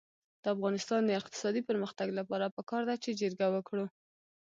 د افغانستان د اقتصادي پرمختګ لپاره پکار ده چې جرګه وکړو.